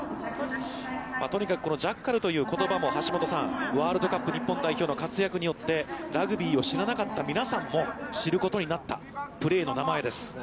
とにかくジャッカルという言葉も橋下さん、ワールドカップ日本代表の活躍によってラグビーを知らなかった皆さんも知ることになったプレーの名前です。